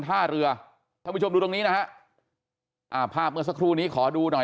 ท่าเรือท่านผู้ชมดูตรงนี้นะฮะอ่าภาพเมื่อสักครู่นี้ขอดูหน่อย